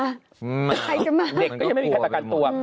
เบ็ดก็ยังไม่มีใครประกันตัว